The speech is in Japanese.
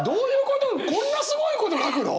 こんなすごいこと書くの？